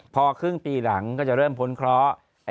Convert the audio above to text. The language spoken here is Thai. พอครึ่งปีหลังก็จะเริ่มพ้นเคราะห์